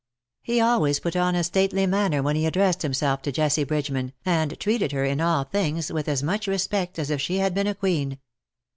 He always put on a stately manner when he addressed himself to Jessie Bridgeman, and treated her in all things with as much respect as if she had been a queen.